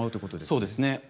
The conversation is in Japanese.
そうですね。